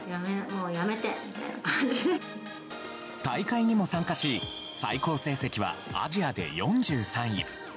大会にも参加し最高成績はアジアで４３位。